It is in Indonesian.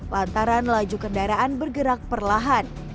lantaran laju kendaraan bergerak perlahan